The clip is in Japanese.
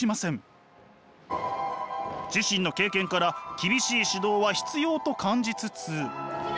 自身の経験から厳しい指導は必要と感じつつ。